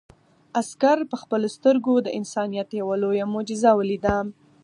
عسکر په خپلو سترګو د انسانیت یو لویه معجزه ولیده.